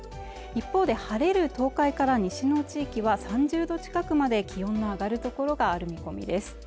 一方で晴れる東海から西の地域は３０度近くまで気温の上がる所がある見込みです